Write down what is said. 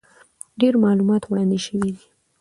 ډېر معلومات وړاندې شوي دي،